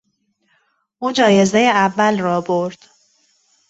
او جایزهی اول را برد.